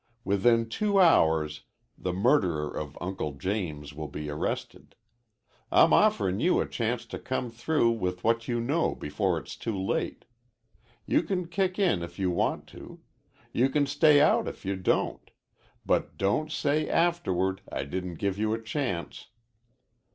Within two hours the murderer of Uncle James will be arrested. I'm offerin' you a chance to come through with what you know before it's too late. You can kick in if you want to. You can stay out if you don't. But don't say afterward I didn't give you a chance."